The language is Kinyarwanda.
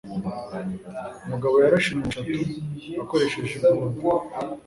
Umugabo yarashe inyoni eshatu akoresheje imbunda.